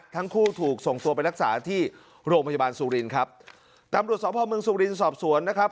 ทั้งคู่ถูกส่งตัวไปรักษาที่โรงพยาบาลซูลินครับตามรุ่นสอบเพราะเมืองซูลินสอบสวนนะครับ